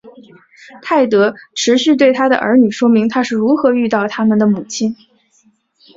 泰德持续对他的儿女说明他是如何遇到他们的母亲。